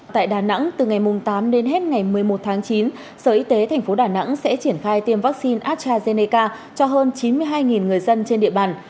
tại đà nẵng từ ngày tám đến hết ngày một mươi một tháng chín sở y tế tp đà nẵng sẽ triển khai tiêm vaccine astrazeneca cho hơn chín mươi hai người dân trên địa bàn